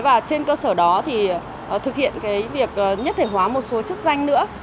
và trên cơ sở đó thì thực hiện việc nhất thể hóa một số chức danh nữa